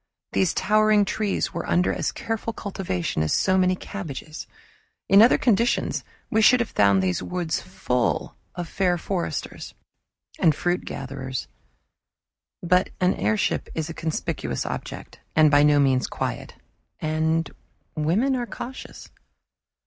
These towering trees were under as careful cultivation as so many cabbages. In other conditions we should have found those woods full of fair foresters and fruit gatherers; but an airship is a conspicuous object, and by no means quiet and women are cautious.